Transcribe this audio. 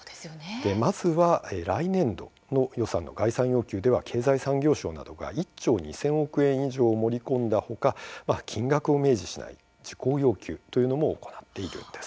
まず来年度の概算要求では経済産業省などが１兆２０００億円以上を盛り込んだ他金額を明示しない事項要求というのも行っているんです。